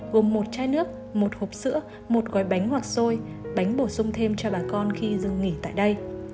gồm một chai nước một hộp sữa một gói bánh hoặc xôi bánh bổ sung thêm cho bà con khi dừng nghỉ tại đây